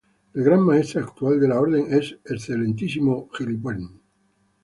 El Gran Maestre actual de la Orden es el Excmo.